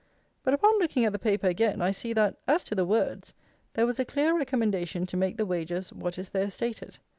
But upon looking at the paper again, I see, that, as to the words, there was a clear recommendation to make the wages what is there stated.